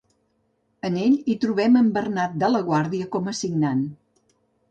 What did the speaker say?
En ell, hi trobem en Bernat de la Guàrdia com a signant.